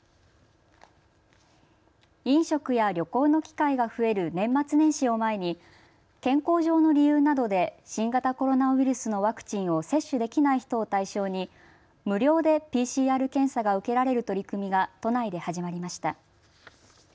飲食や旅行の機会が増える年末年始を前に健康上の理由などで新型コロナウイルスのワクチンを接種できない人を対象に無料でＰＣＲ検査が受けられる取り組みが都内で始まりました。